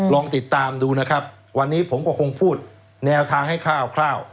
ลองติดตามดูนะครับวันนี้ผมก็คงพูดแนวทางให้คร่าว